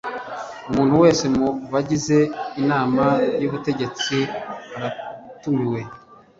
umuntu wese mu bagize inama y’ubutegetsi aratumiwe